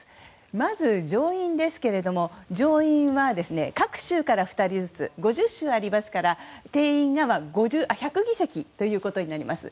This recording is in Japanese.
まず、上院ですけども上院は各州から２人ずつ５０州ありますから定員が１００議席となります。